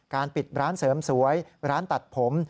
ปิดร้านเสริมสวยร้านตัดผม